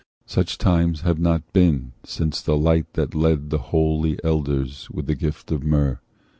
Such times have been not since the light that led The holy Elders with the gift of myrrh.